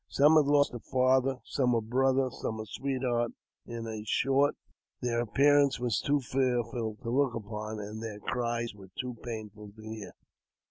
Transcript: Some had lost a father, some a brother, some a sweetheart ; in short, their appearance was too fearful to look upon, and their cries were too painful to hear.